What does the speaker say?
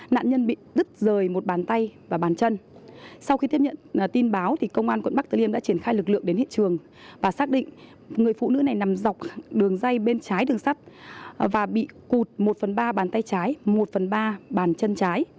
nạn nhân bị đứt rời một bàn tay và bàn chân sau khi tiếp nhận tin báo công an quận bắc từ liêm đã triển khai lực lượng đến hiện trường và xác định người phụ nữ này nằm dọc đường dây bên trái đường sắt và bị cụt một phần ba bàn tay trái một phần ba bàn chân trái